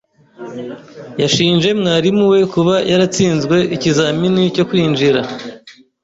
Yashinje mwarimu we kuba yaratsinzwe ikizamini cyo kwinjira.